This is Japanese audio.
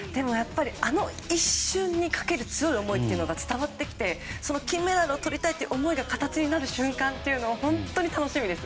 あの一瞬にかける強い思いが伝わってきて金メダルをとりたいという思いが形になる瞬間は本当に楽しみです。